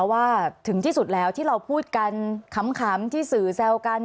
ว่าถึงที่สุดแล้วที่เราพูดกันขำที่สื่อแซวกัน